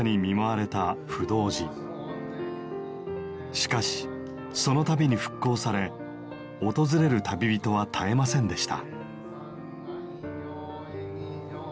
しかしその度に復興され訪れる旅人は絶えませんでした。